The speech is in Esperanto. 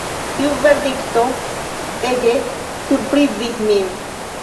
Tiu verdikto ege surprizis min.